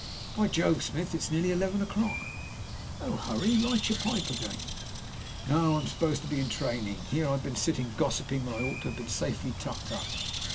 By Jove, Smith, it's nearly eleven o'clock!" "No hurry. Light your pipe again." "Not I. I'm supposed to be in training. Here I've been sitting gossiping when I ought to have been safely tucked up.